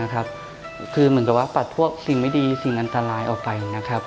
กดเดรถือดบไว้